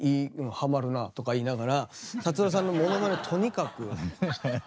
はまるな」とか言いながら達郎さんのモノマネをとにかく。